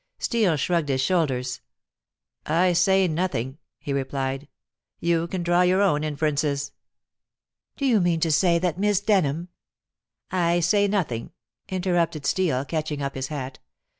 Steel shrugged his shoulders. "I say nothing," he replied. "You can draw your own inferences." "Do you mean to say that Miss Denham " "I say nothing," interrupted Steel, catching up his hat.